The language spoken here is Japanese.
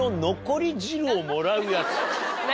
何？